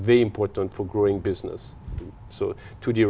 có nhiều người